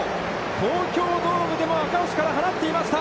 東京ドームでも赤星からはなっていました。